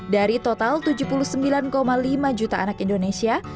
dari total tujuh puluh sembilan lima juta orang dewasa